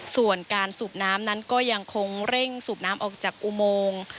ส่วนการสูบน้ำนั้นก็ยังคงเร่งสูบน้ำออกจากอุโมง